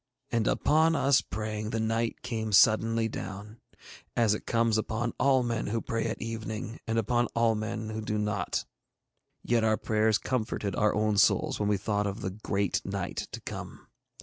And upon us praying the night came suddenly down, as it comes upon all men who pray at evening and upon all men who do not; yet our prayers comforted our own souls when we thought of the Great Night to come.